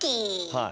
はい。